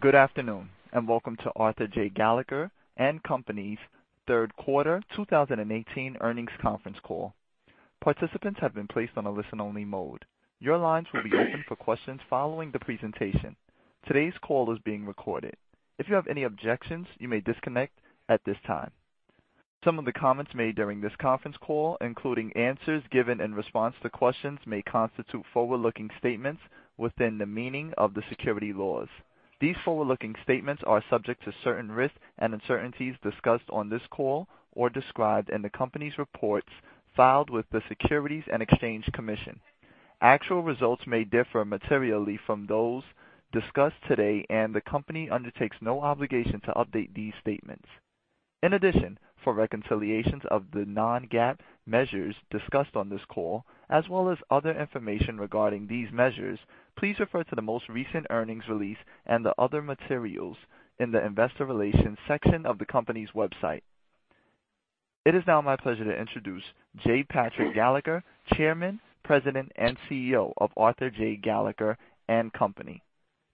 Good afternoon, and welcome to Arthur J. Gallagher & Co.'s third quarter 2018 earnings conference call. Participants have been placed on a listen-only mode. Your lines will be open for questions following the presentation. Today's call is being recorded. If you have any objections, you may disconnect at this time. Some of the comments made during this conference call, including answers given in response to questions, may constitute forward-looking statements within the meaning of the securities laws. These forward-looking statements are subject to certain risks and uncertainties discussed on this call or described in the company's reports filed with the Securities and Exchange Commission. Actual results may differ materially from those discussed today, the company undertakes no obligation to update these statements. In addition, for reconciliations of the non-GAAP measures discussed on this call, as well as other information regarding these measures, please refer to the most recent earnings release and the other materials in the investor relations section of the company's website. It is now my pleasure to introduce J. Patrick Gallagher, Chairman, President, and CEO of Arthur J. Gallagher & Co..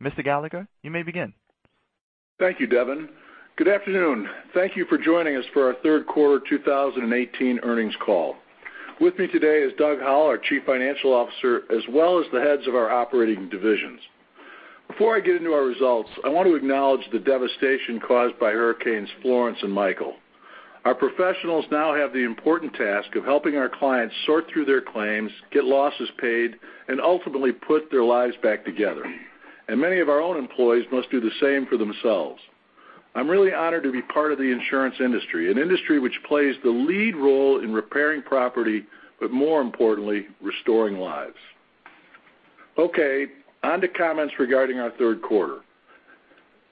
Mr. Gallagher, you may begin. Thank you, Devin. Good afternoon. Thank you for joining us for our third quarter 2018 earnings call. With me today is Doug Howell, our Chief Financial Officer, as well as the heads of our operating divisions. Before I get into our results, I want to acknowledge the devastation caused by hurricanes Florence and Michael. Our professionals now have the important task of helping our clients sort through their claims, get losses paid, and ultimately put their lives back together. Many of our own employees must do the same for themselves. I'm really honored to be part of the insurance industry, an industry which plays the lead role in repairing property, but more importantly, restoring lives. Okay, onto comments regarding our third quarter.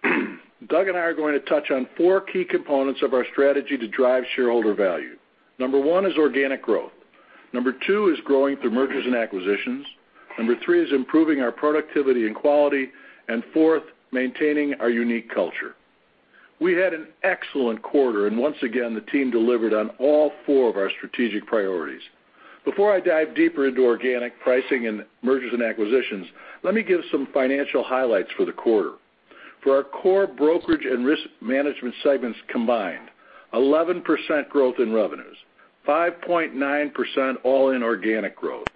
Doug and I are going to touch on four key components of our strategy to drive shareholder value. Number one is organic growth. Number two is growing through mergers and acquisitions. Number three is improving our productivity and quality. Fourth, maintaining our unique culture. We had an excellent quarter, and once again, the team delivered on all four of our strategic priorities. Before I dive deeper into organic pricing and mergers and acquisitions, let me give some financial highlights for the quarter. For our core brokerage and risk management segments combined, 11% growth in revenues, 5.9% all-in organic growth,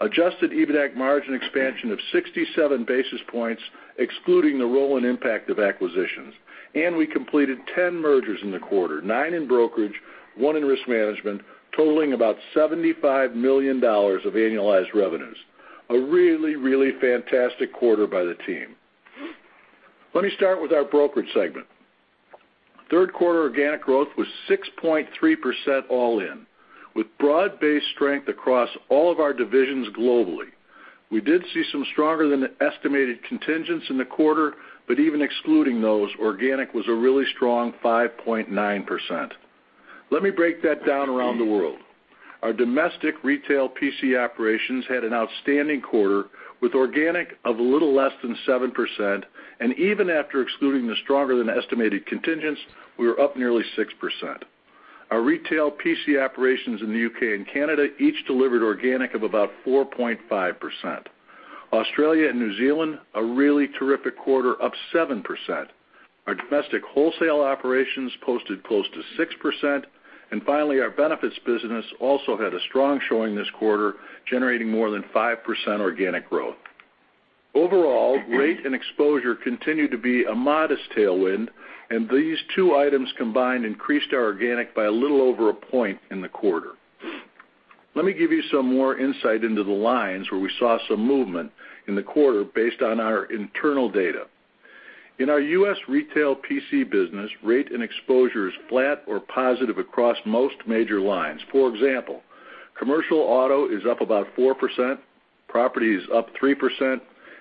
adjusted EBITAC margin expansion of 67 basis points, excluding the role and impact of acquisitions. We completed 10 mergers in the quarter, nine in brokerage, one in risk management, totaling about $75 million of annualized revenues. A really, really fantastic quarter by the team. Let me start with our brokerage segment. Third quarter organic growth was 6.3% all in, with broad-based strength across all of our divisions globally. We did see some stronger than estimated contingents in the quarter. Even excluding those, organic was a really strong 5.9%. Let me break that down around the world. Our domestic retail PC operations had an outstanding quarter with organic of a little less than 7%, and even after excluding the stronger than estimated contingents, we were up nearly 6%. Our retail PC operations in the U.K. and Canada each delivered organic of about 4.5%. Australia and New Zealand, a really terrific quarter, up 7%. Our domestic wholesale operations posted close to 6%. Finally, our benefits business also had a strong showing this quarter, generating more than 5% organic growth. Overall, rate and exposure continued to be a modest tailwind, and these two items combined increased our organic by a little over a point in the quarter. Let me give you some more insight into the lines where we saw some movement in the quarter based on our internal data. In our U.S. retail PC business, rate and exposure is flat or positive across most major lines. For example, commercial auto is up about 4%, property is up 3%,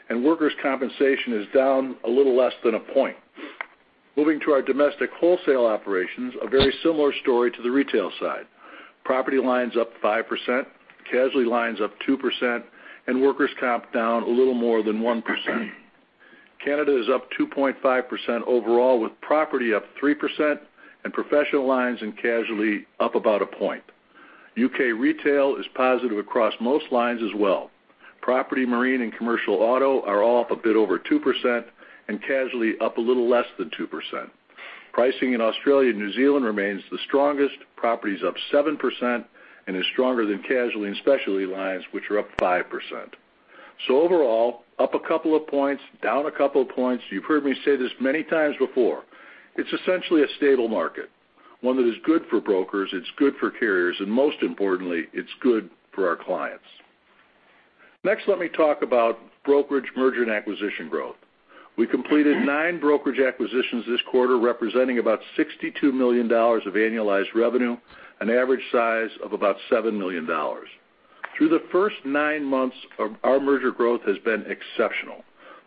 and workers' compensation is down a little less than a point. Moving to our domestic wholesale operations, a very similar story to the retail side. Property lines up 5%, casualty lines up 2%, and workers' comp down a little more than 1%. Canada is up 2.5% overall, with property up 3% and professional lines and casualty up about a point. U.K. retail is positive across most lines as well. Property, marine, and commercial auto are all up a bit over 2%, and casualty up a little less than 2%. Pricing in Australia and New Zealand remains the strongest. Property is up 7% and is stronger than casualty and specialty lines, which are up 5%. Overall, up a couple of points, down a couple of points. You've heard me say this many times before. It's essentially a stable market. One that is good for brokers, it's good for carriers, and most importantly, it's good for our clients. Next, let me talk about brokerage merger and acquisition growth. We completed nine brokerage acquisitions this quarter, representing about $62 million of annualized revenue, an average size of about $7 million. Through the first nine months, our merger growth has been exceptional.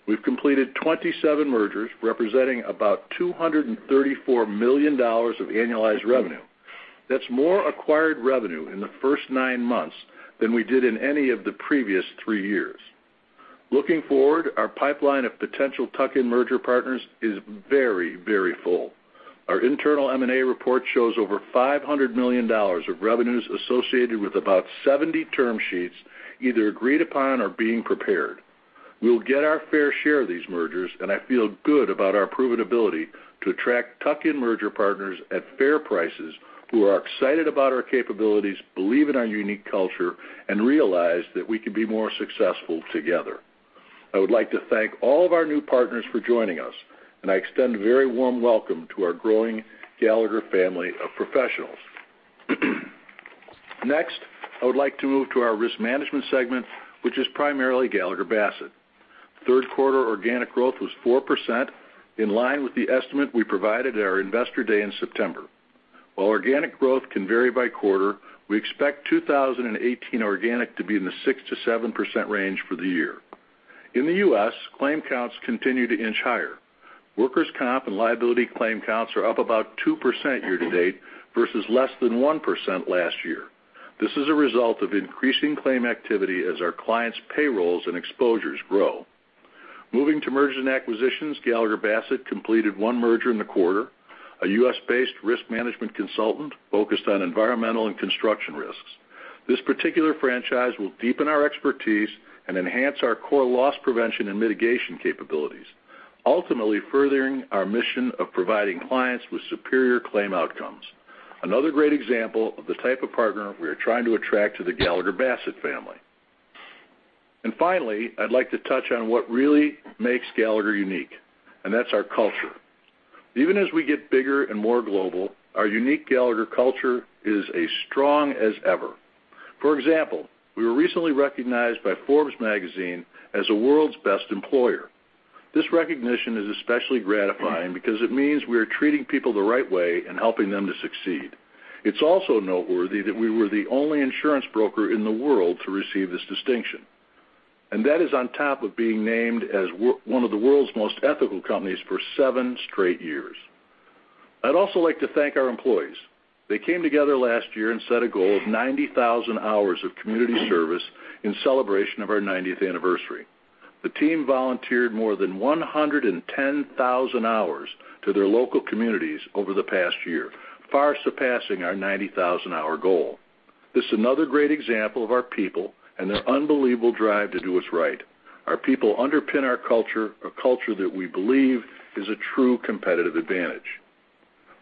We've completed 27 mergers representing about $234 million of annualized revenue. That's more acquired revenue in the first nine months than we did in any of the previous three years. Looking forward, our pipeline of potential tuck-in merger partners is very, very full. Our internal M&A report shows over $500 million of revenues associated with about 70 term sheets, either agreed upon or being prepared. We will get our fair share of these mergers, and I feel good about our proven ability to attract tuck-in merger partners at fair prices who are excited about our capabilities, believe in our unique culture, and realize that we can be more successful together. I would like to thank all of our new partners for joining us, and I extend a very warm welcome to our growing Gallagher family of professionals. Next, I would like to move to our risk management segment, which is primarily Gallagher Bassett. Third quarter organic growth was 4%, in line with the estimate we provided at our Investor Day in September. While organic growth can vary by quarter, we expect 2018 organic to be in the 6%-7% range for the year. In the U.S., claim counts continue to inch higher. Workers' comp and liability claim counts are up about 2% year-to-date versus less than 1% last year. This is a result of increasing claim activity as our clients' payrolls and exposures grow. Moving to mergers and acquisitions, Gallagher Bassett completed one merger in the quarter, a U.S.-based risk management consultant focused on environmental and construction risks. This particular franchise will deepen our expertise and enhance our core loss prevention and mitigation capabilities, ultimately furthering our mission of providing clients with superior claim outcomes. Another great example of the type of partner we are trying to attract to the Gallagher Bassett family. Finally, I'd like to touch on what really makes Gallagher unique, and that's our culture. Even as we get bigger and more global, our unique Gallagher culture is as strong as ever. For example, we were recently recognized by Forbes magazine as the world's best employer. This recognition is especially gratifying because it means we are treating people the right way and helping them to succeed. It's also noteworthy that we were the only insurance broker in the world to receive this distinction, and that is on top of being named as one of the world's most ethical companies for seven straight years. I'd also like to thank our employees. They came together last year and set a goal of 90,000 hours of community service in celebration of our 90th anniversary. The team volunteered more than 110,000 hours to their local communities over the past year, far surpassing our 90,000-hour goal. This is another great example of our people and their unbelievable drive to do what's right. Our people underpin our culture, a culture that we believe is a true competitive advantage.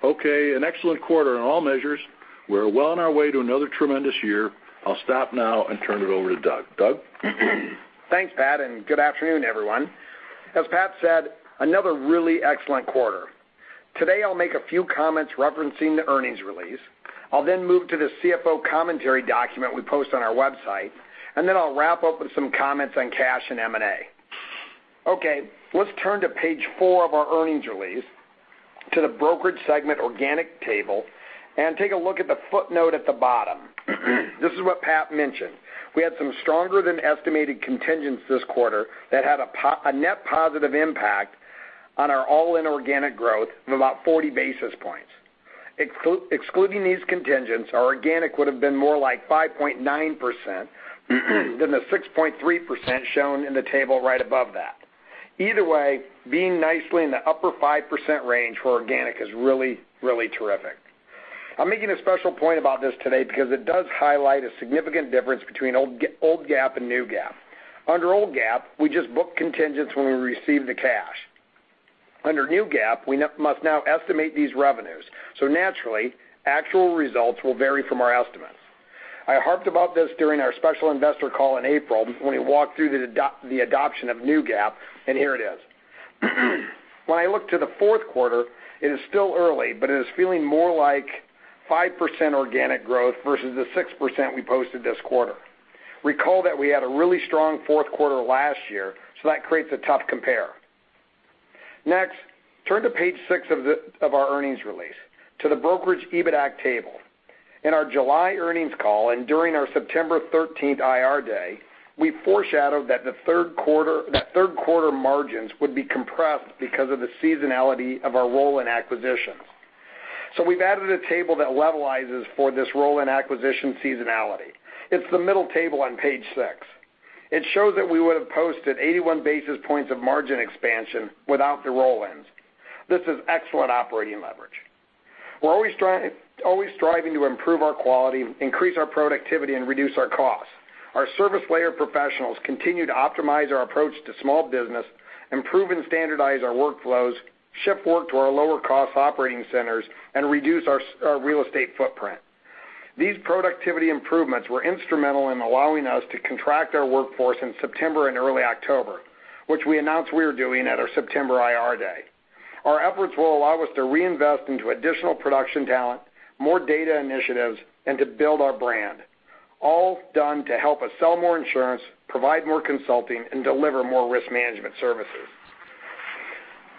An excellent quarter on all measures. We're well on our way to another tremendous year. I'll stop now and turn it over to Doug. Doug? Thanks, Pat, and good afternoon, everyone. As Pat said, another really excellent quarter. Today, I'll make a few comments referencing the earnings release. I'll then move to the CFO commentary document we post on our website, then I'll wrap up with some comments on cash and M&A. Let's turn to page four of our earnings release, to the Brokerage segment organic table, and take a look at the footnote at the bottom. This is what Pat mentioned. We had some stronger than estimated contingents this quarter that had a net positive impact on our all-in organic growth of about 40 basis points. Excluding these contingents, our organic would have been more like 5.9% than the 6.3% shown in the table right above that. Either way, being nicely in the upper 5% range for organic is really, really terrific. I'm making a special point about this today because it does highlight a significant difference between old GAAP and new GAAP. Under old GAAP, we just book contingents when we receive the cash. Under new GAAP, we must now estimate these revenues. Naturally, actual results will vary from our estimates. I harped about this during our special investor call in April when we walked through the adoption of new GAAP, and here it is. When I look to the fourth quarter, it is still early, but it is feeling more like 5% organic growth versus the 6% we posted this quarter. Recall that we had a really strong fourth quarter last year, that creates a tough compare. Next, turn to page six of our earnings release, to the Brokerage EBITAC table. In our July earnings call and during our September 13th IR day, we foreshadowed that third quarter margins would be compressed because of the seasonality of our roll-in acquisitions. We've added a table that levelizes for this roll-in acquisition seasonality. It's the middle table on page six. It shows that we would have posted 81 basis points of margin expansion without the roll-ins. This is excellent operating leverage. We're always striving to improve our quality, increase our productivity, and reduce our costs. Our service layer professionals continue to optimize our approach to small business, improve and standardize our workflows, shift work to our lower-cost operating centers, and reduce our real estate footprint. These productivity improvements were instrumental in allowing us to contract our workforce in September and early October, which we announced we were doing at our September IR day. Our efforts will allow us to reinvest into additional production talent, more data initiatives, and to build our brand. All done to help us sell more insurance, provide more consulting, and deliver more risk management services.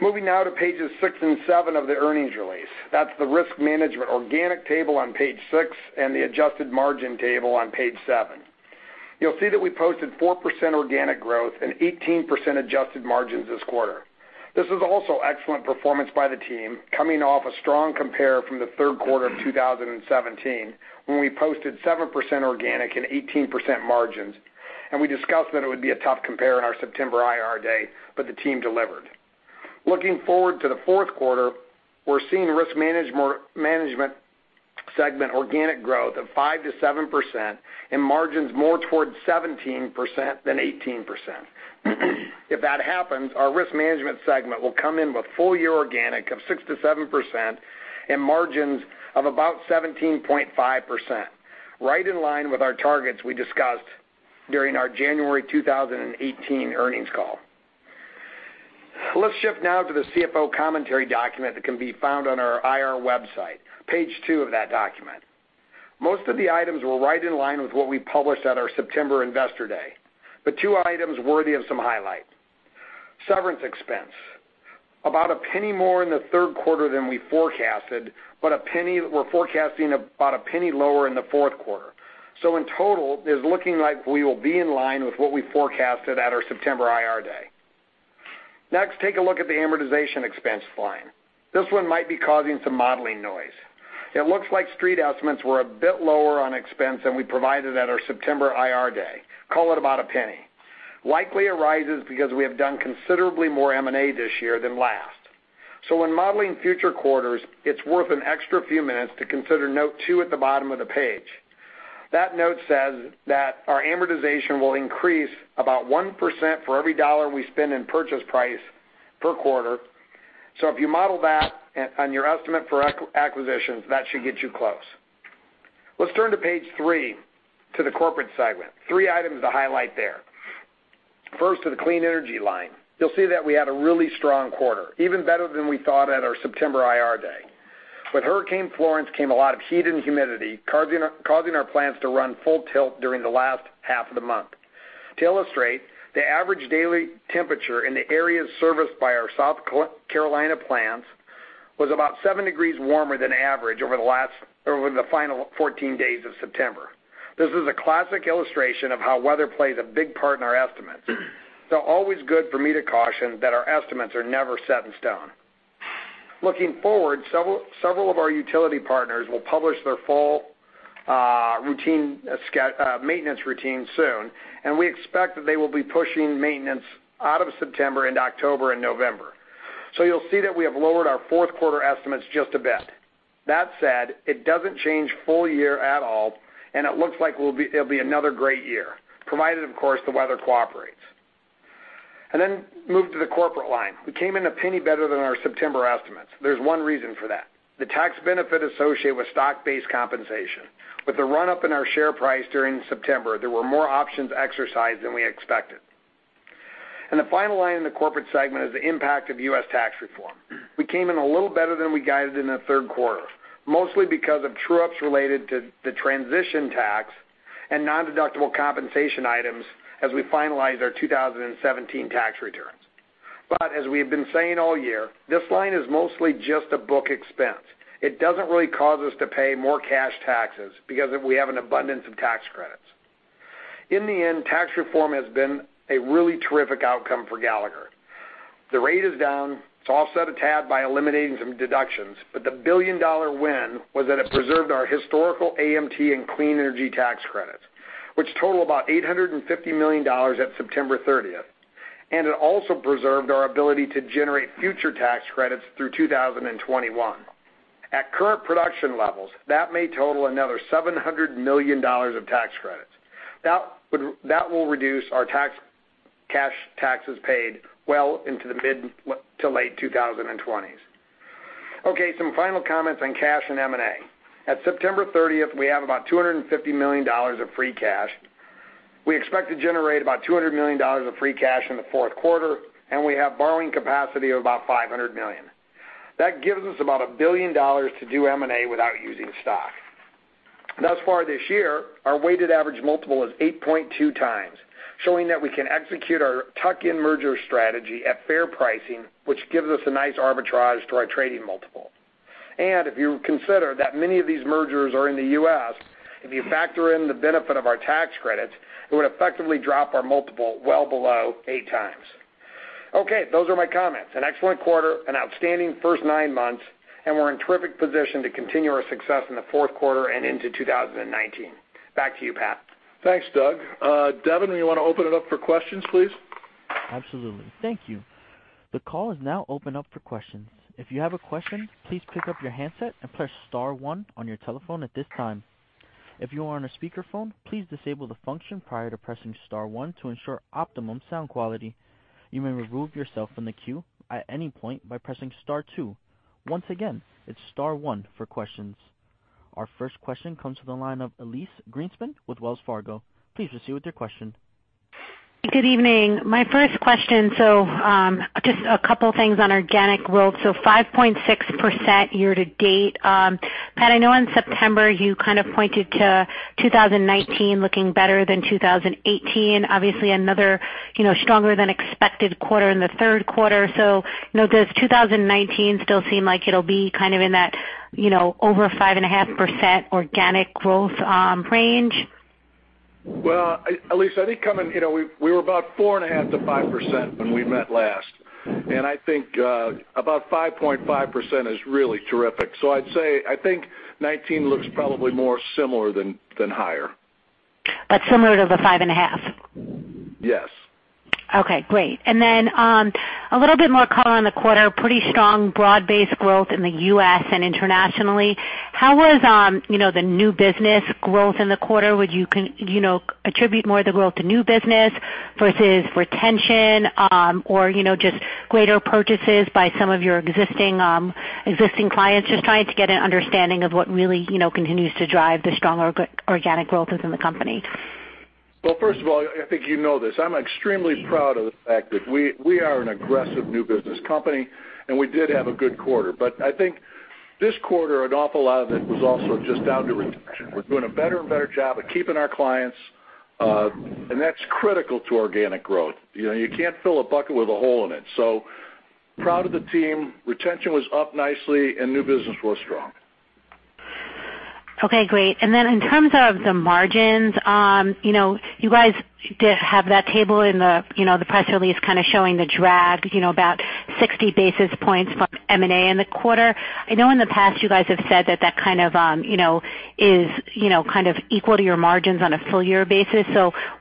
Moving now to pages six and seven of the earnings release. That's the Risk Management organic table on page six and the adjusted margin table on page seven. You'll see that we posted 4% organic growth and 18% adjusted margins this quarter. This is also excellent performance by the team, coming off a strong compare from the third quarter of 2017 when we posted 7% organic and 18% margins. We discussed that it would be a tough compare in our September IR day, the team delivered. Looking forward to the fourth quarter, we're seeing Risk Management segment organic growth of 5%-7% and margins more towards 17% than 18%. If that happens, our Risk Management segment will come in with full-year organic of 6%-7% and margins of about 17.5%, right in line with our targets we discussed during our January 2018 earnings call. Let's shift now to the CFO commentary document that can be found on our IR website, page two of that document. Most of the items were right in line with what we published at our September investor day, two items worthy of some highlight. Severance expense. About $0.01 more in the third quarter than we forecasted, we're forecasting about $0.01 lower in the fourth quarter. In total, it is looking like we will be in line with what we forecasted at our September IR day. Next, take a look at the amortization expense line. This one might be causing some modeling noise. It looks like street estimates were a bit lower on expense than we provided at our September IR day, call it about $0.01. Likely arises because we have done considerably more M&A this year than last. When modeling future quarters, it's worth an extra few minutes to consider note two at the bottom of the page. That note says that our amortization will increase about 1% for every dollar we spend in purchase price per quarter. If you model that on your estimate for acquisitions, that should get you close. Let's turn to page three, to the corporate segment. Three items to highlight there. First to the clean energy line. You'll see that we had a really strong quarter, even better than we thought at our September IR day. With Hurricane Florence came a lot of heat and humidity, causing our plants to run full tilt during the last half of the month. To illustrate, the average daily temperature in the areas serviced by our South Carolina plants was about seven degrees warmer than average over the final 14 days of September. This is a classic illustration of how weather plays a big part in our estimates. Always good for me to caution that our estimates are never set in stone. Looking forward, several of our utility partners will publish their full maintenance routine soon, and we expect that they will be pushing maintenance out of September into October and November. You'll see that we have lowered our fourth quarter estimates just a bit. That said, it doesn't change full year at all, and it looks like it'll be another great year, provided, of course, the weather cooperates. Move to the corporate line. We came in $0.01 better than our September estimates. There's one reason for that. The tax benefit associated with stock-based compensation. With the run-up in our share price during September, there were more options exercised than we expected. The final line in the corporate segment is the impact of U.S. tax reform. We came in a little better than we guided in the third quarter, mostly because of true-ups related to the transition tax and non-deductible compensation items as we finalized our 2017 tax returns. As we have been saying all year, this line is mostly just a book expense. It doesn't really cause us to pay more cash taxes because we have an abundance of tax credits. In the end, tax reform has been a really terrific outcome for Gallagher. The rate is down. It's offset a tad by eliminating some deductions, but the billion-dollar win was that it preserved our historical AMT and clean energy tax credits, which total about $850 million at September 30th, and it also preserved our ability to generate future tax credits through 2021. At current production levels, that may total another $700 million of tax credits. That will reduce our cash taxes paid well into the mid to late 2020s. Okay, some final comments on cash and M&A. At September 30th, we have about $250 million of free cash. We expect to generate about $200 million of free cash in the fourth quarter, and we have borrowing capacity of about $500 million. That gives us about $1 billion to do M&A without using stock. Thus far this year, our weighted average multiple is 8.2x, showing that we can execute our tuck-in merger strategy at fair pricing, which gives us a nice arbitrage to our trading multiple. If you consider that many of these mergers are in the U.S., if you factor in the benefit of our tax credits, it would effectively drop our multiple well below 8x. Okay. Those are my comments. An excellent quarter, an outstanding first nine months, and we're in terrific position to continue our success in the fourth quarter and into 2019. Back to you, Pat. Thanks, Doug. Devin, you want to open it up for questions, please? Absolutely. Thank you. The call is now open up for questions. If you have a question, please pick up your handset and press star one on your telephone at this time. If you are on a speakerphone, please disable the function prior to pressing star one to ensure optimum sound quality. You may remove yourself from the queue at any point by pressing star two. Once again, it's star one for questions. Our first question comes from the line of Elyse Greenspan with Wells Fargo. Please proceed with your question. Good evening. My first question, just a couple things on organic growth. 5.6% year-to-date. Pat, I know in September you kind of pointed to 2019 looking better than 2018, obviously another stronger than expected quarter in the third quarter. Does 2019 still seem like it'll be kind of in that over 5.5% organic growth range? Well, Elyse, I think coming, we were about 4.5% to 5% when we met last. I think about 5.5% is really terrific. I'd say, I think 2019 looks probably more similar than higher. Similar to the 5.5%? Yes. Okay, great. Then, a little bit more color on the quarter. Pretty strong broad-based growth in the U.S. and internationally. How was the new business growth in the quarter? Would you attribute more of the growth to new business versus retention? Just greater purchases by some of your existing clients? Just trying to get an understanding of what really continues to drive the stronger organic growth within the company. Well, first of all, I think you know this, I'm extremely proud of the fact that we are an aggressive new business company. We did have a good quarter. I think this quarter, an awful lot of it was also just down to retention. We're doing a better and better job of keeping our clients. That's critical to organic growth. You can't fill a bucket with a hole in it. Proud of the team. Retention was up nicely and new business was strong. Okay, great. In terms of the margins, you guys did have that table in the press release kind of showing the drag, about 60 basis points from M&A in the quarter. I know in the past you guys have said that that kind of is equal to your margins on a full year basis.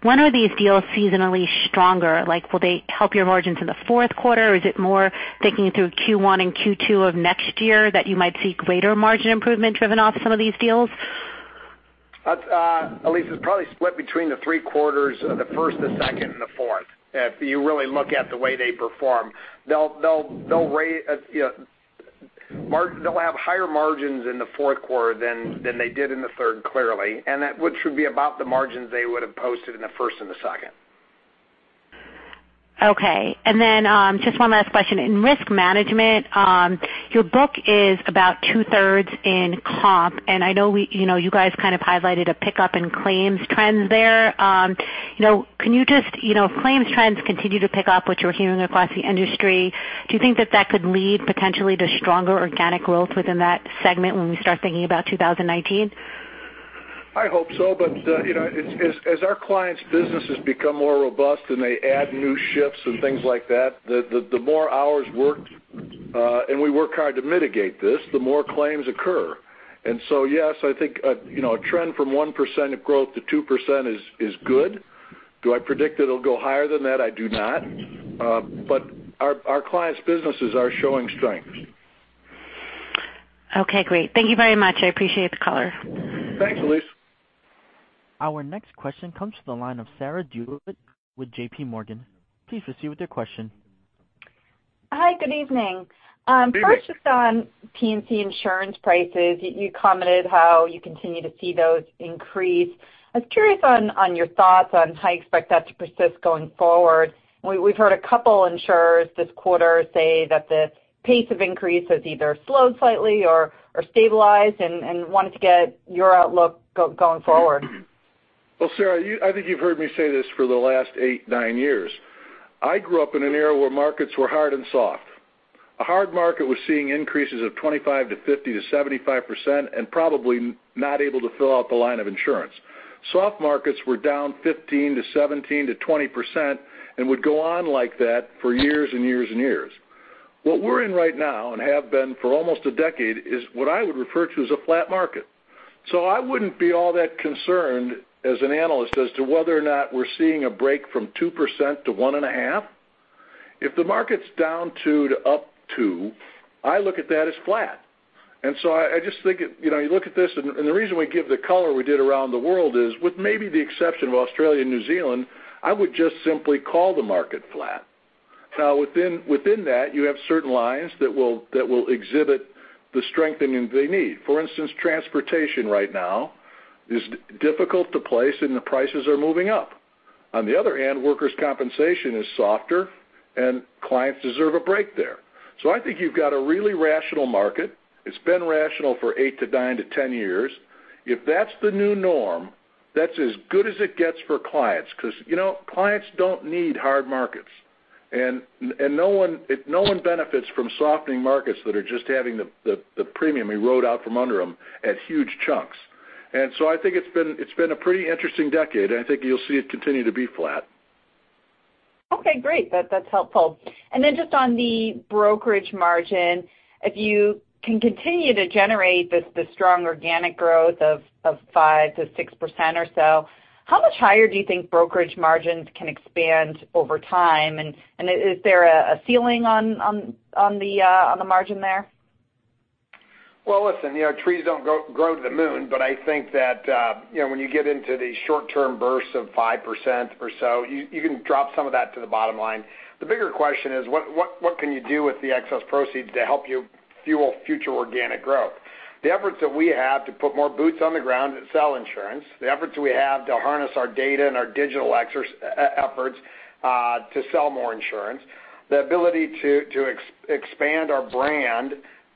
When are these deals seasonally stronger? Will they help your margins in the fourth quarter? Or is it more thinking through Q1 and Q2 of next year that you might see greater margin improvement driven off some of these deals? Elyse, it's probably split between the three quarters, the first, the second and the fourth. If you really look at the way they perform, they'll have higher margins in the fourth quarter than they did in the third, clearly, which would be about the margins they would've posted in the first and the second. Okay. Just one last question. In risk management, your book is about two-thirds in comp, and I know you guys kind of highlighted a pickup in claims trends there. If claims trends continue to pick up, which we're hearing across the industry, do you think that that could lead potentially to stronger organic growth within that segment when we start thinking about 2019? I hope so, but as our clients' businesses become more robust and they add new shifts and things like that, the more hours worked, and we work hard to mitigate this, the more claims occur. Yes, I think a trend from 1% of growth to 2% is good. Do I predict it'll go higher than that? I do not. Our clients' businesses are showing strength. Okay, great. Thank you very much. I appreciate the color. Thanks, Elyse. Our next question comes to the line of Sarah DeWitt with JPMorgan. Please proceed with your question. Hi, good evening. Good evening. First, just on P&C insurance prices. You commented how you continue to see those increase. I was curious on your thoughts on how you expect that to persist going forward. We've heard a couple insurers this quarter say that the pace of increase has either slowed slightly or stabilized, and wanted to get your outlook going forward. Well, Sarah, I think you've heard me say this for the last eight, nine years. I grew up in an era where markets were hard and soft. A hard market was seeing increases of 25%-50%-75%, and probably not able to fill out the line of insurance. Soft markets were down 15%-17%-20% and would go on like that for years and years and years. What we're in right now, and have been for almost a decade, is what I would refer to as a flat market. I wouldn't be all that concerned as an analyst as to whether or not we're seeing a break from 2%-1.5%. If the market's down two to up two, I look at that as flat. I just think you look at this, and the reason we give the color we did around the world is, with maybe the exception of Australia and New Zealand, I would just simply call the market flat. Within that, you have certain lines that will exhibit the strengthening they need. Transportation right now is difficult to place and the prices are moving up. On the other hand, workers' compensation is softer and clients deserve a break there. I think you've got a really rational market. It's been rational for eight to nine to 10 years. If that's the new norm, that's as good as it gets for clients because clients don't need hard markets. No one benefits from softening markets that are just having the premium erode out from under them at huge chunks. I think it's been a pretty interesting decade, and I think you'll see it continue to be flat. Okay, great. That's helpful. Just on the brokerage margin, if you can continue to generate the strong organic growth of 5%-6% or so, how much higher do you think brokerage margins can expand over time? Is there a ceiling on the margin there? Well, listen, trees don't grow to the moon, but I think that when you get into these short-term bursts of 5% or so, you can drop some of that to the bottom line. The bigger question is what can you do with the excess proceeds to help you fuel future organic growth? The efforts that we have to put more boots on the ground and sell insurance, the efforts we have to harness our data and our digital efforts to sell more insurance, the ability to expand our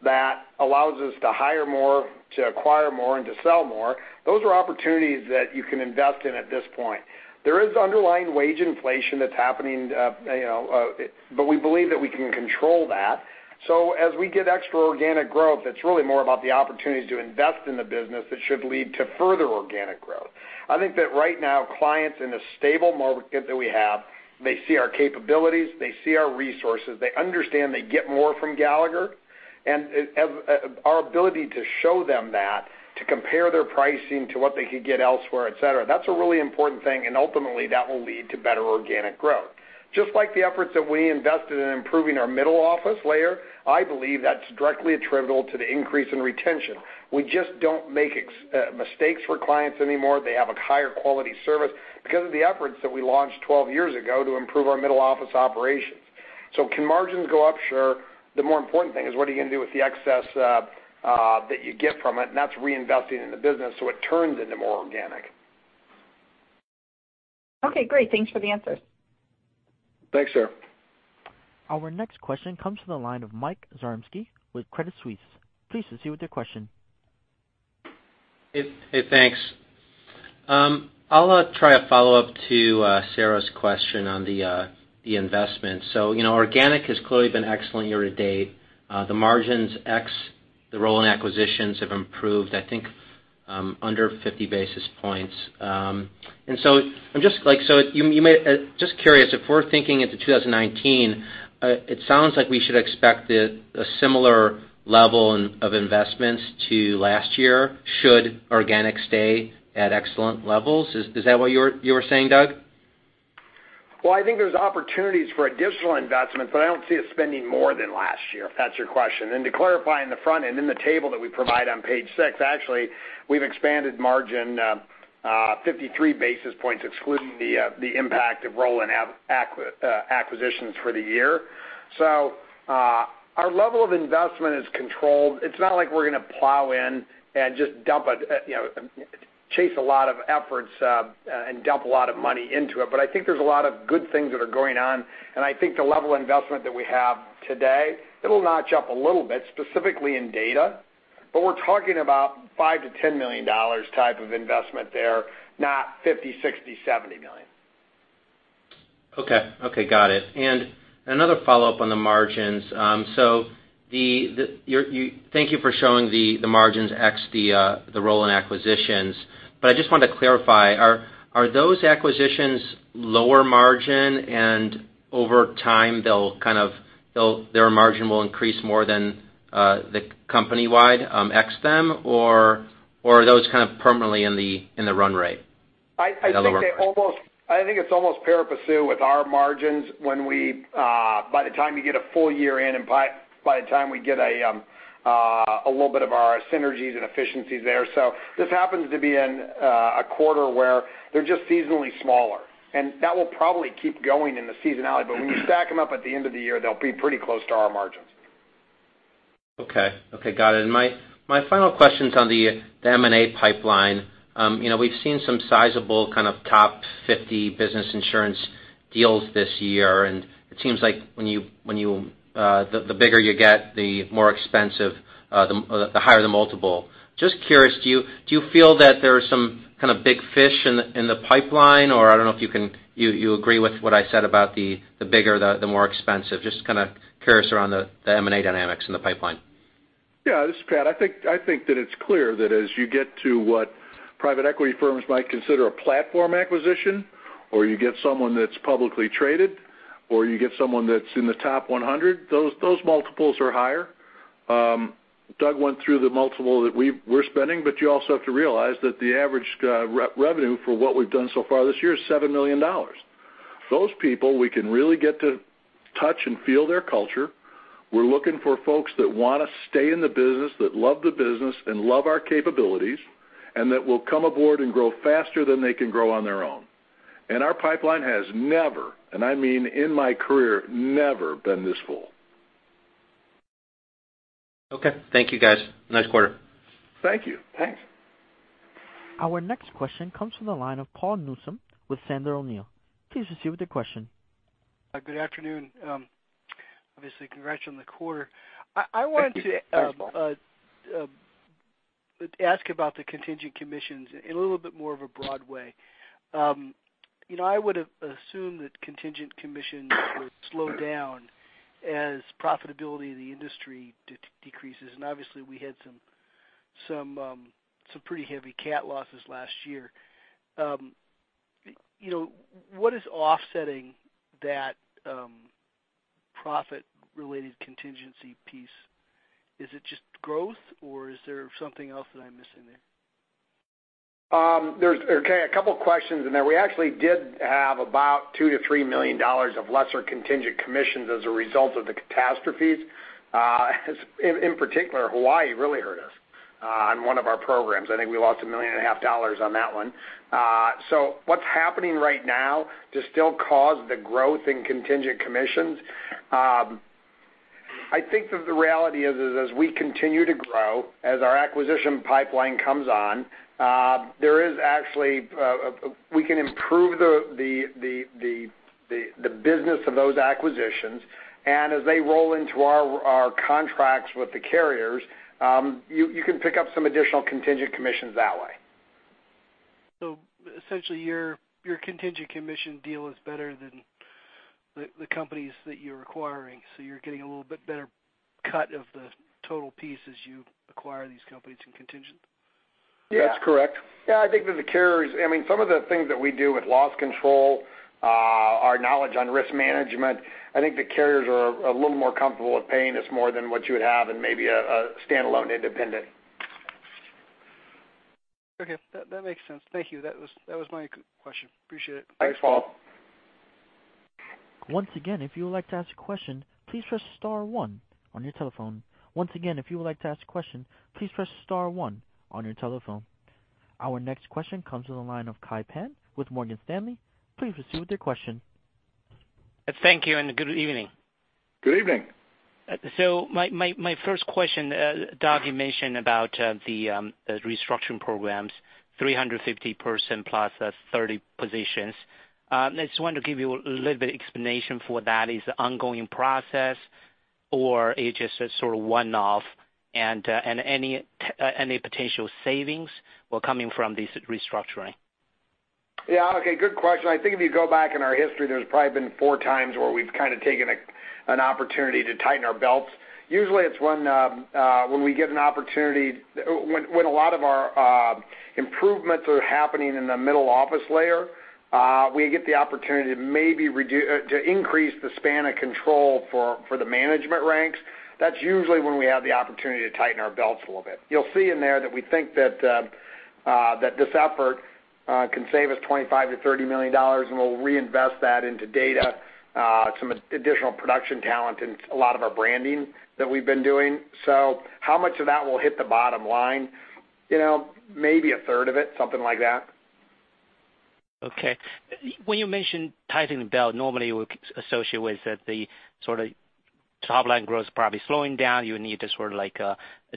brand that allows us to hire more, to acquire more, and to sell more, those are opportunities that you can invest in at this point. There is underlying wage inflation that's happening, but we believe that we can control that. As we get extra organic growth, it's really more about the opportunities to invest in the business that should lead to further organic growth. I think that right now, clients in the stable market that we have, they see our capabilities, they see our resources, they understand they get more from Gallagher Our ability to show them that, to compare their pricing to what they could get elsewhere, et cetera, that's a really important thing, and ultimately that will lead to better organic growth. Just like the efforts that we invested in improving our middle office layer, I believe that's directly attributable to the increase in retention. We just don't make mistakes for clients anymore. They have a higher quality service because of the efforts that we launched 12 years ago to improve our middle office operations. Can margins go up? Sure. The more important thing is what are you going to do with the excess that you get from it, and that's reinvesting in the business so it turns into more organic. Great. Thanks for the answers. Thanks, Sarah. Our next question comes from the line of Michael Zaremski with Credit Suisse. Please proceed with your question. Hey, thanks. I'll try a follow-up to Sarah's question on the investment. Organic has clearly been excellent year to date. The margins ex the roll-in acquisitions have improved, I think, under 50 basis points. Just curious, if we're thinking into 2019, it sounds like we should expect a similar level of investments to last year should organic stay at excellent levels. Is that what you were saying, Doug? I think there's opportunities for additional investments, but I don't see us spending more than last year, if that's your question. To clarify on the front end, in the table that we provide on page six, actually, we've expanded margin 53 basis points, excluding the impact of roll-in acquisitions for the year. Our level of investment is controlled. It's not like we're going to plow in and just chase a lot of efforts and dump a lot of money into it. I think there's a lot of good things that are going on, and I think the level of investment that we have today, it'll notch up a little bit, specifically in data. We're talking about $5 million-$10 million type of investment there, not $50 million, $60 million, $70 million. Okay. Got it. Another follow-up on the margins. Thank you for showing the margins ex the roll-in acquisitions. I just wanted to clarify, are those acquisitions lower margin, and over time their margin will increase more than the company-wide ex them? Are those kind of permanently in the run rate? I think it's almost par for sure with our margins by the time you get a full year in and by the time we get a little bit of our synergies and efficiencies there. This happens to be in a quarter where they're just seasonally smaller, and that will probably keep going in the seasonality. When you stack them up at the end of the year, they'll be pretty close to our margins. Okay. Got it. My final question's on the M&A pipeline. We've seen some sizable kind of top 50 business insurance deals this year, and it seems like the bigger you get, the higher the multiple. Just curious, do you feel that there are some kind of big fish in the pipeline, or I don't know if you agree with what I said about the bigger, the more expensive? Just kind of curious around the M&A dynamics in the pipeline. Yeah, this is Pat. I think that it's clear that as you get to what private equity firms might consider a platform acquisition or you get someone that's publicly traded, or you get someone that's in the top 100, those multiples are higher. Doug went through the multiple that we're spending, but you also have to realize that the average revenue for what we've done so far this year is $7 million. Those people, we can really get to touch and feel their culture. We're looking for folks that want to stay in the business, that love the business and love our capabilities, and that will come aboard and grow faster than they can grow on their own. Our pipeline has never, and I mean in my career, never been this full. Okay. Thank you guys. Nice quarter. Thank you. Thanks. Our next question comes from the line of Paul Newsome with Sandler O'Neill. Please proceed with your question. Good afternoon. Obviously congrats on the quarter. Thank you. I wanted to ask about the contingent commissions in a little bit more of a broad way. I would've assumed that contingent commissions would slow down as profitability in the industry decreases, and obviously we had some pretty heavy cat losses last year. What is offsetting that profit related contingency piece? Is it just growth, or is there something else that I'm missing there? Okay, a couple of questions in there. We actually did have about 2 to $3 million of lesser contingent commissions as a result of the catastrophes. In particular, Hawaii really hurt us on one of our programs. I think we lost a million and a half dollars on that one. What's happening right now to still cause the growth in contingent commissions, I think that the reality is as we continue to grow, as our acquisition pipeline comes on, we can improve the business of those acquisitions. As they roll into our contracts with the carriers, you can pick up some additional contingent commissions that way. Essentially your contingent commission deal is better than the companies that you're acquiring, so you're getting a little bit better cut of the total piece as you acquire these companies in contingent? That's correct. Yeah, I think that the carriers. Some of the things that we do with loss control, our knowledge on risk management, I think the carriers are a little more comfortable with paying us more than what you would have in maybe a standalone independent. Okay. That makes sense. Thank you. That was my question. Appreciate it. Thanks, Paul. Once again, if you would like to ask a question, please press star one on your telephone. Once again, if you would like to ask a question, please press star one on your telephone. Our next question comes to the line of Kai Pan with Morgan Stanley. Please proceed with your question. Thank you, and good evening. Good evening. My first question, Doug, you mentioned about the restructuring programs, 350 person plus 30 positions. I just want to give you a little bit explanation for that. Is it ongoing process or it just a sort of one-off, and any potential savings were coming from this restructuring? Yeah. Okay. Good question. I think if you go back in our history, there's probably been four times where we've kind of taken an opportunity, when a lot of our improvements are happening in the middle office layer, we get the opportunity to increase the span of control for the management ranks. That's usually when we have the opportunity to tighten our belts a little bit. You'll see in there that we think that this effort can save us $25 million-$30 million, and we'll reinvest that into data, some additional production talent, and a lot of our branding that we've been doing. How much of that will hit the bottom line? Maybe a third of it, something like that. Okay. When you mention tightening the belt, normally we associate with the sort of top line growth probably slowing down. You need to sort of like,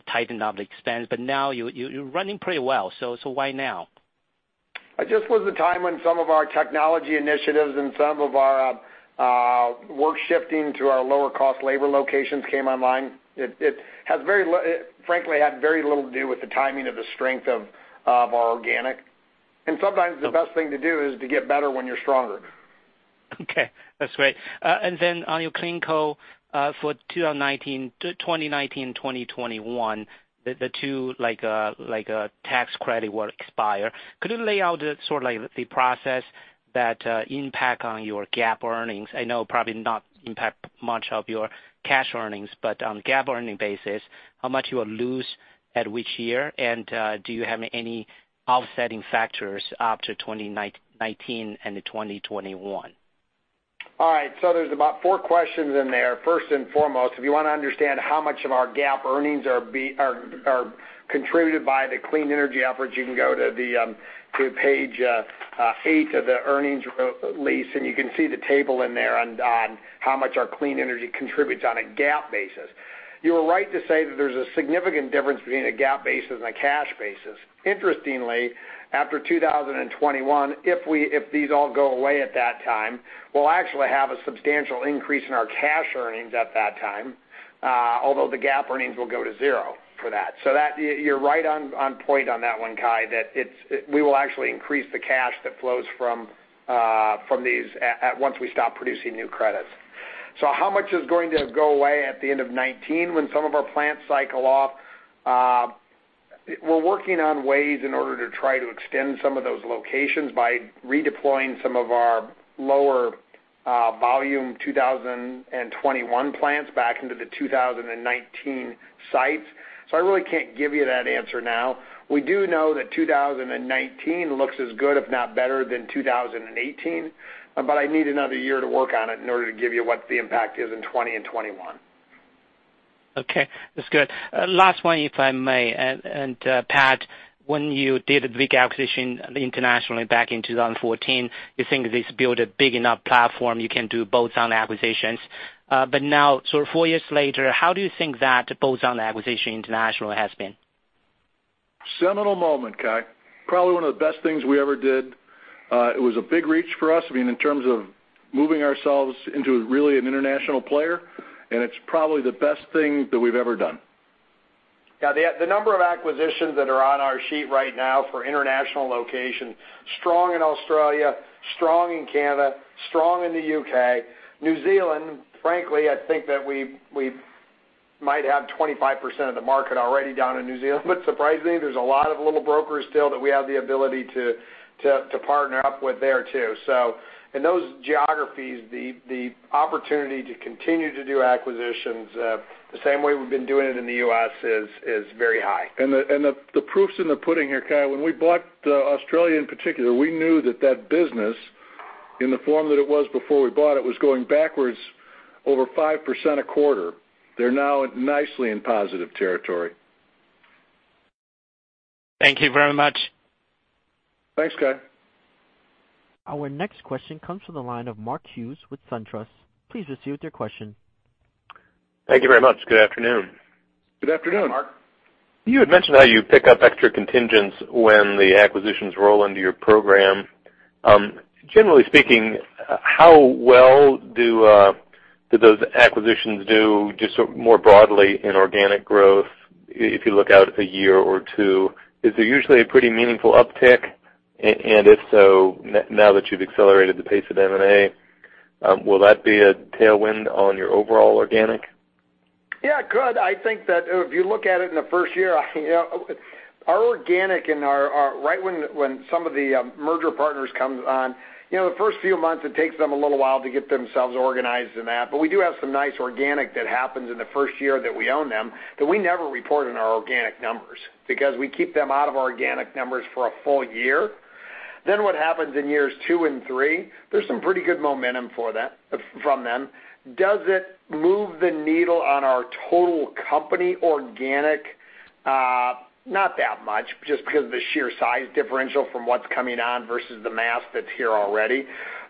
tighten up the expense. Now you're running pretty well. Why now? It just was the time when some of our technology initiatives and some of our work shifting to our lower cost labor locations came online. It frankly had very little to do with the timing of the strength of our organic. Sometimes the best thing to do is to get better when you're stronger. Okay. That's great. On your clean energy, for 2019, 2021, the two tax credit will expire. Could you lay out the sort of like, the process that impact on your GAAP earnings? I know probably not impact much of your cash earnings, but on GAAP earning basis, how much you will lose at which year and do you have any offsetting factors after 2019 and 2021? All right. There's about four questions in there. First and foremost, if you want to understand how much of our GAAP earnings are contributed by the clean energy efforts, you can go to page eight of the earnings release, and you can see the table in there on how much our clean energy contributes on a GAAP basis. You are right to say that there's a significant difference between a GAAP basis and a cash basis. Interestingly, after 2021, if these all go away at that time, we'll actually have a substantial increase in our cash earnings at that time. Although the GAAP earnings will go to zero for that. You're right on point on that one, Kai, that we will actually increase the cash that flows from these once we stop producing new credits. How much is going to go away at the end of 2019 when some of our plants cycle off? We're working on ways in order to try to extend some of those locations by redeploying some of our lower volume 2021 plants back into the 2019 sites. I really can't give you that answer now. We do know that 2019 looks as good, if not better than 2018, but I need another year to work on it in order to give you what the impact is in 2020 and 2021. Okay. That's good. Last one, if I may, Pat, when you did a big acquisition internationally back in 2014, you think this build a big enough platform you can do bolt-on acquisitions. But now, sort of 4 years later, how do you think that bolt-on acquisition international has been? Seminal moment, Kai. Probably one of the best things we ever did. It was a big reach for us, in terms of moving ourselves into really an international player, it's probably the best thing that we've ever done. Yeah. The number of acquisitions that are on our sheet right now for international location, strong in Australia, strong in Canada, strong in the U.K. New Zealand, frankly, I think that we might have 25% of the market already down in New Zealand, surprisingly, there's a lot of little brokers still that we have the ability to partner up with there too. In those geographies, the opportunity to continue to do acquisitions, the same way we've been doing it in the U.S. is very high. The proof's in the pudding here, Kai. When we bought Australia in particular, we knew that that business, in the form that it was before we bought it, was going backwards over 5% a quarter. They're now nicely in positive territory. Thank you very much. Thanks, Kai. Our next question comes from the line of Mark Hughes with SunTrust. Please proceed with your question. Thank you very much. Good afternoon. Good afternoon. Good afternoon, Mark. You had mentioned how you pick up extra contingents when the acquisitions roll into your program. Generally speaking, how well do those acquisitions do just more broadly in organic growth, if you look out a year or two? Is there usually a pretty meaningful uptick? If so, now that you've accelerated the pace of M&A, will that be a tailwind on your overall organic? Yeah, good. I think that if you look at it in the first year, our organic and right when some of the merger partners comes on, the first few months, it takes them a little while to get themselves organized and that. We do have some nice organic that happens in the first year that we own them that we never report in our organic numbers, because we keep them out of our organic numbers for a full year. What happens in years two and three? There's some pretty good momentum from them. Does it move the needle on our total company organic? Not that much, just because of the sheer size differential from what's coming on versus the mass that's here already.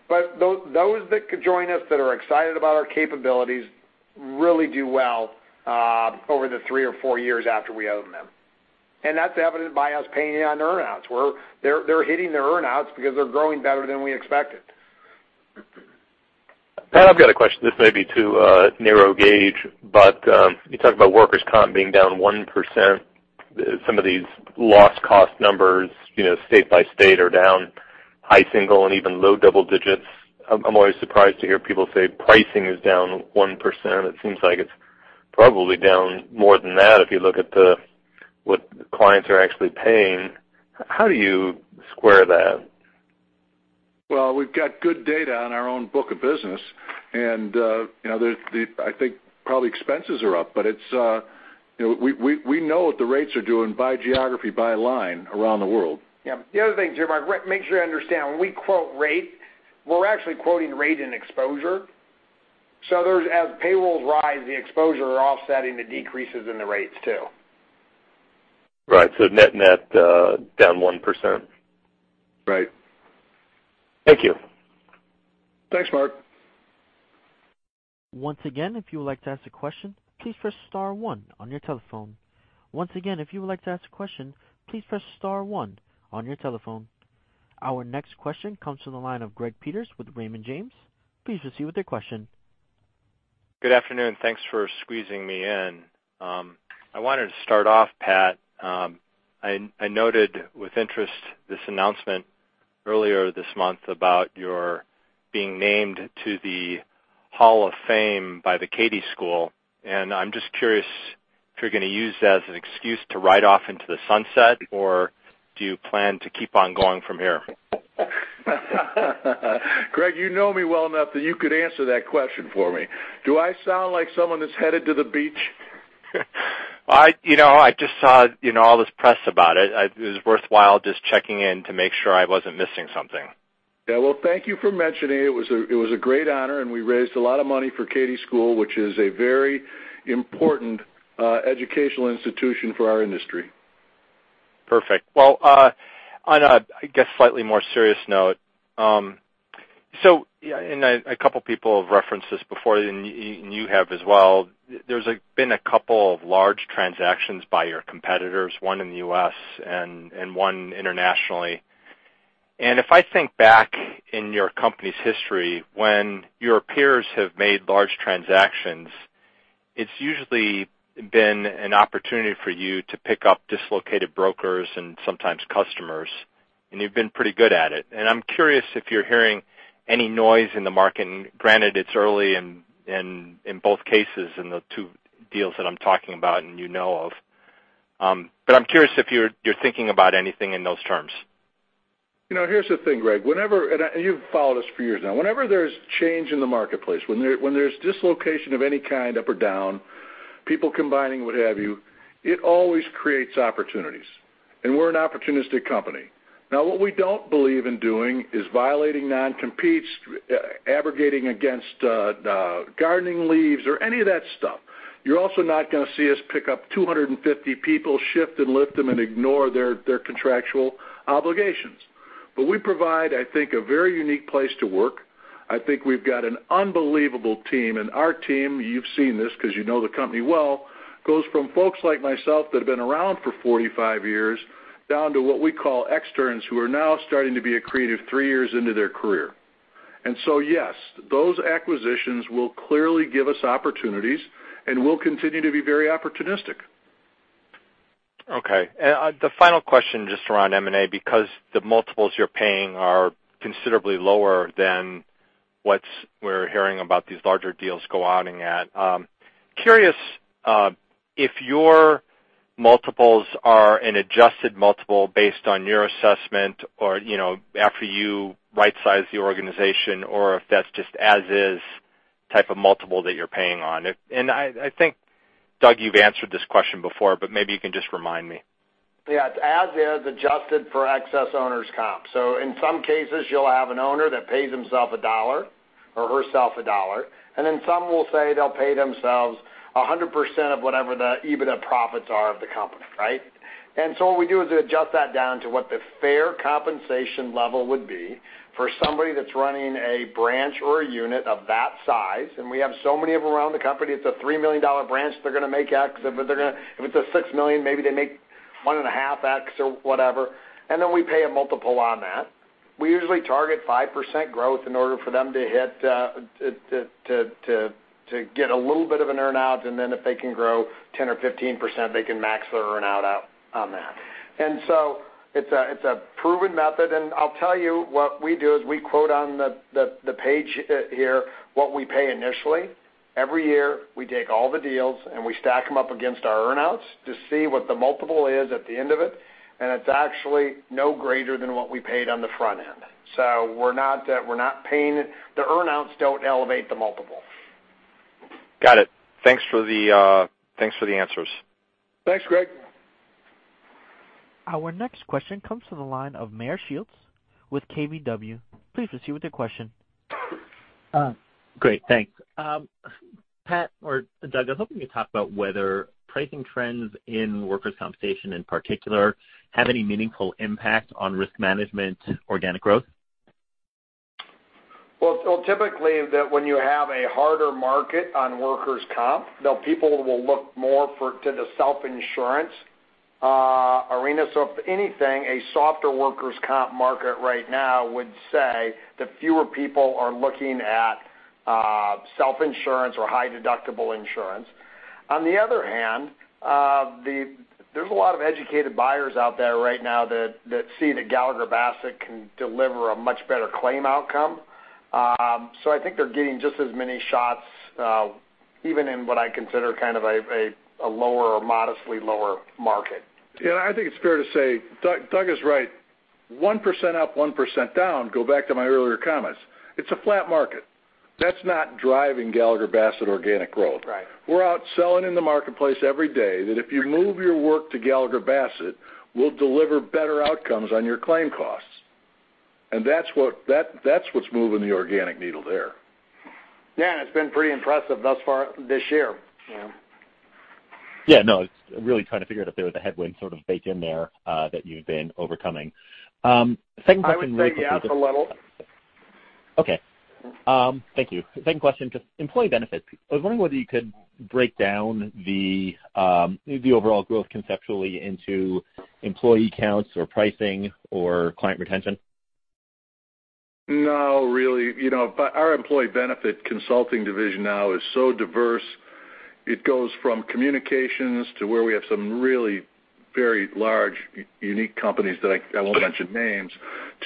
Those that could join us that are excited about our capabilities really do well over the three or four years after we own them. That's evident by us paying in on earn-outs, where they're hitting their earn-outs because they're growing better than we expected. Pat, I've got a question. This may be too narrow gauge, but you talked about workers' comp being down 1%. Some of these loss cost numbers state by state are down high single and even low double digits. I'm always surprised to hear people say pricing is down 1%. It seems like it's probably down more than that if you look at what the clients are actually paying. How do you square that? Well, we've got good data on our own book of business. I think probably expenses are up, but we know what the rates are doing by geography, by line around the world. Yeah. The other thing too, Mark, make sure you understand, when we quote rate, we're actually quoting rate and exposure. As payrolls rise, the exposure are offsetting the decreases in the rates too. Right. net down 1%. Right. Thank you. Thanks, Mark. Once again, if you would like to ask a question, please press star one on your telephone. Once again, if you would like to ask a question, please press star one on your telephone. Our next question comes from the line of Greg Peters with Raymond James. Please proceed with your question. Good afternoon. Thanks for squeezing me in. I wanted to start off, Pat. I noted with interest this announcement earlier this month about your being named to the Hall of Fame by the Katie School, I'm just curious if you're going to use that as an excuse to ride off into the sunset, or do you plan to keep on going from here? Greg, you know me well enough that you could answer that question for me. Do I sound like someone that's headed to the beach? I just saw all this press about it. It was worthwhile just checking in to make sure I wasn't missing something. Yeah. Well, thank you for mentioning it. It was a great honor. We raised a lot of money for Katie School, which is a very important educational institution for our industry. Perfect. On a, I guess, slightly more serious note, a couple people have referenced this before, and you have as well, there's been a couple of large transactions by your competitors, one in the U.S. and one internationally. If I think back in your company's history when your peers have made large transactions, it's usually been an opportunity for you to pick up dislocated brokers and sometimes customers, and you've been pretty good at it. I'm curious if you're hearing any noise in the market, and granted, it's early in both cases in the two deals that I'm talking about and you know of, but I'm curious if you're thinking about anything in those terms. Here's the thing, Greg. You've followed us for years now. Whenever there's change in the marketplace, when there's dislocation of any kind, up or down, people combining, what have you, it always creates opportunities, and we're an opportunistic company. Now, what we don't believe in doing is violating non-competes, abrogating against gardening leaves or any of that stuff. You're also not going to see us pick up 250 people, shift and lift them and ignore their contractual obligations. We provide, I think, a very unique place to work. I think we've got an unbelievable team, and our team, you've seen this because you know the company well, goes from folks like myself that have been around for 45 years down to what we call externs who are now starting to be accretive three years into their career. Yes, those acquisitions will clearly give us opportunities, and we'll continue to be very opportunistic. Okay. The final question just around M&A, because the multiples you're paying are considerably lower than what we're hearing about these larger deals going at. Curious if your multiples are an adjusted multiple based on your assessment or after you right-size the organization or if that's just as is type of multiple that you're paying on. I think, Doug, you've answered this question before, but maybe you can just remind me. Yeah. It's as is adjusted for excess owner's comp. In some cases, you'll have an owner that pays themself $1 or herself $1, then some will say they'll pay themselves 100% of whatever the EBITDA profits are of the company, right? What we do is adjust that down to what the fair compensation level would be for somebody that's running a branch or a unit of that size, and we have so many of them around the company. If it's a $3 million branch, they're going to make X. If it's a $6 million, maybe they make one and a half X or whatever, then we pay a multiple on that. We usually target 5% growth in order for them to get a little bit of an earn-out. If they can grow 10% or 15%, they can max their earn-out on that. It's a proven method, and I'll tell you what we do is we quote on the page here what we pay initially. Every year, we take all the deals, and we stack them up against our earn-outs to see what the multiple is at the end of it, and it's actually no greater than what we paid on the front end. We're not paying. The earn-outs don't elevate the multiple. Got it. Thanks for the answers. Thanks, Greg. Our next question comes from the line of Meyer Shields with KBW. Please proceed with your question. Great, thanks. Pat or Doug, I was hoping you'd talk about whether pricing trends in workers' compensation, in particular, have any meaningful impact on risk management organic growth. Well, typically, when you have a harder market on workers' comp, people will look more to the self-insurance arena. If anything, a softer workers' comp market right now would say that fewer people are looking at self-insurance or high deductible insurance. On the other hand, there's a lot of educated buyers out there right now that see that Gallagher Bassett can deliver a much better claim outcome. I think they're getting just as many shots, even in what I consider a lower or modestly lower market. Yeah, I think it's fair to say Doug is right. 1% up, 1% down, go back to my earlier comments. It's a flat market. That's not driving Gallagher Bassett organic growth. Right. We're out selling in the marketplace every day that if you move your work to Gallagher Bassett, we'll deliver better outcomes on your claim costs. That's what's moving the organic needle there. Yeah, it's been pretty impressive thus far this year. Yeah. No, I was really trying to figure out if there was a headwind sort of baked in there that you've been overcoming. Second question. I would say yes, a little. Okay. Thank you. Second question, just employee benefits. I was wondering whether you could break down the overall growth conceptually into employee counts or pricing or client retention. No, really. Our employee benefit consulting division now is so diverse. It goes from communications to where we have some really very large, unique companies, I won't mention names,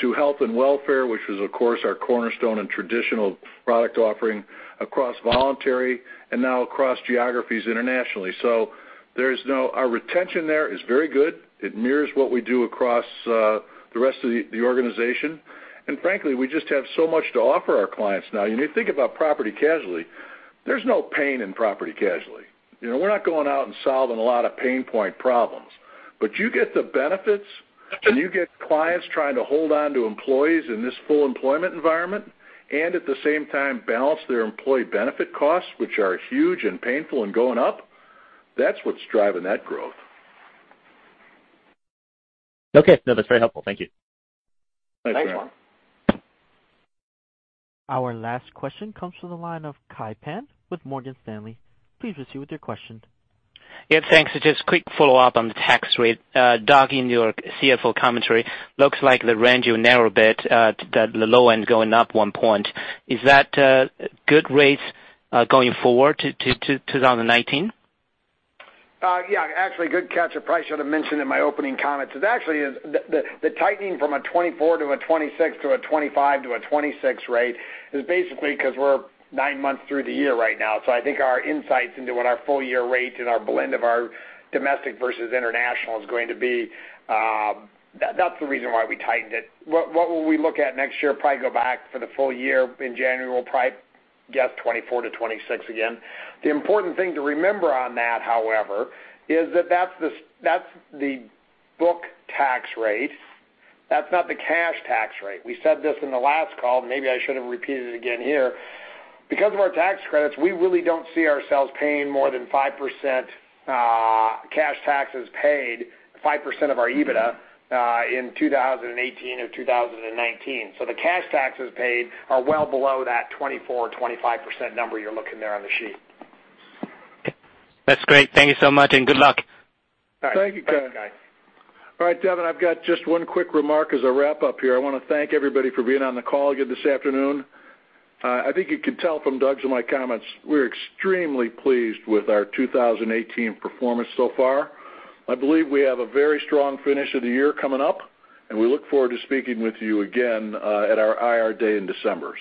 to health and welfare, which is of course our cornerstone and traditional product offering across voluntary and now across geographies internationally. Our retention there is very good. It mirrors what we do across the rest of the organization. Frankly, we just have so much to offer our clients now. You think about property casualty. There's no pain in property casualty. We're not going out and solving a lot of pain point problems. You get the benefits, and you get clients trying to hold on to employees in this full employment environment, and at the same time balance their employee benefit costs, which are huge and painful and going up. That's what's driving that growth. Okay. No, that's very helpful. Thank you. Thanks. Thanks. Our last question comes from the line of Kai Pan with Morgan Stanley. Please proceed with your question. Yes, thanks. Just a quick follow-up on the tax rate. Doug, in your CFO commentary, looks like the range you narrowed a bit, the low end is going up one point. Is that good rates going forward to 2019? Yeah, actually, good catch. I probably should have mentioned in my opening comments. It actually is the tightening from a 24%-26% to a 25%-26% rate is basically because we're nine months through the year right now. I think our insights into what our full-year rate and our blend of our domestic versus international is going to be, that's the reason why we tightened it. What will we look at next year? Probably go back for the full year in January. We'll probably guess 24%-26% again. The important thing to remember on that, however, is that that's the book tax rate. That's not the cash tax rate. We said this in the last call. Maybe I should have repeated it again here. Because of our tax credits, we really don't see ourselves paying more than 5% cash taxes paid, 5% of our EBITDA, in 2018 or 2019. The cash taxes paid are well below that 24%, 25% number you're looking there on the sheet. That's great. Thank you so much, and good luck. Thank you, Kai. All right, Devin, I've got just one quick remark as I wrap up here. I want to thank everybody for being on the call again this afternoon. I think you can tell from Doug's and my comments, we're extremely pleased with our 2018 performance so far. I believe we have a very strong finish of the year coming up, and we look forward to speaking with you again at our IR day in December.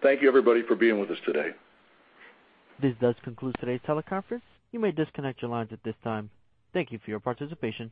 Thank you everybody for being with us today. This does conclude today's teleconference. You may disconnect your lines at this time. Thank you for your participation.